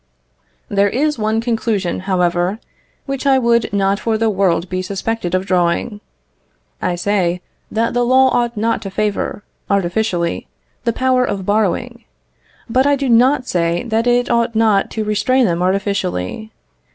There is one conclusion, however, which I would not for the world be suspected of drawing. I say, that the law ought not to favour, artificially, the power of borrowing, but I do not say that it ought not to restrain them artificially.